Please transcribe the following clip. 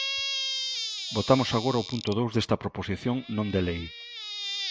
Votamos agora o punto dous desta proposición non de lei.